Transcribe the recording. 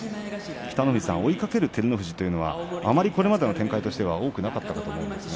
北の富士さん、追いかける照ノ富士というのはあまりこれまでの展開として多くなかったと思うんですが。